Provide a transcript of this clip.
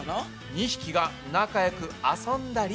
２匹が仲よく遊んだり。